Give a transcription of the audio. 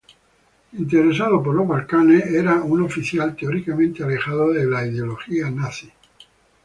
Interesado por los Balcanes, era un oficial teóricamente alejado de la ideología nazi.